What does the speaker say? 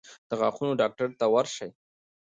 د غاښونو ډاکټر ته ورشئ